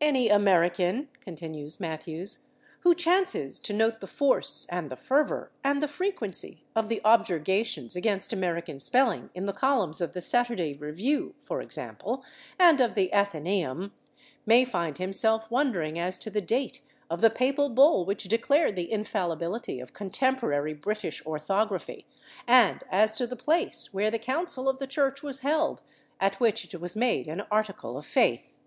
"Any American," continues Matthews, "who chances to note the force and the fervor and the frequency of the objurgations against American spelling in the columns of the /Saturday Review/, for example, and of the /Athenaeum/, may find himself wondering as to the date of the [Pg256] papal bull which declared the infallibility of contemporary British orthography, and as to the place where the council of the Church was held at which it was made an article of faith."